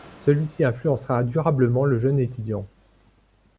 Celui-ci influencera durablement le jeune étudiant.